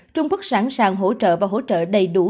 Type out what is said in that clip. trung quốc sẵn sàng hỗ trợ và hỗ trợ đầy đủ